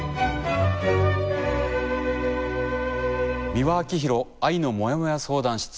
「美輪明宏愛のモヤモヤ相談室」。